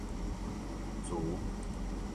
慈